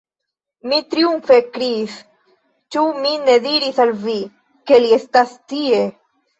Li triumfe kriis: "Ĉu mi ne diris al vi, ke li estas tie?"